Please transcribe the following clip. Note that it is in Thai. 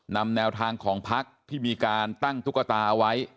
นำแนวทางของพักที่มีการตั้งทุกษาไว้